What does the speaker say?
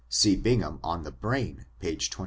— See Bingham on the Brain^ p. 21.